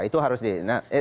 itu harus dihindari